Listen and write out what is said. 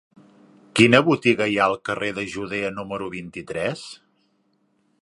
Quina botiga hi ha al carrer de Judea número vint-i-tres?